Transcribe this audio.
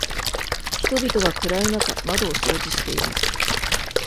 人々は暗い中窓を掃除しています。